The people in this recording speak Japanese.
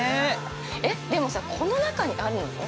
でもさ、この中にあるの？